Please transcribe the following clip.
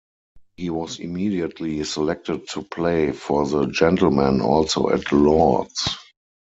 He was immediately selected to play for the Gentlemen, also at Lord's.